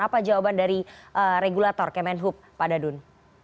apa jawaban dari regulator kemen hub pak dadun